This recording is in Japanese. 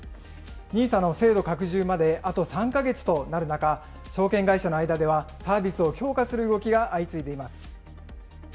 ＮＩＳＡの制度拡充まであと３か月となる中、証券会社の間では、サービスを強化する動きが相次いでいます。